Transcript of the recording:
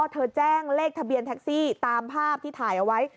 แจ้งเลขทะเบียนแท็กซี่ตามภาพที่ถ่ายเอาไว้